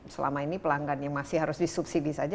selama ini pelanggan yang masih harus disubsidi saja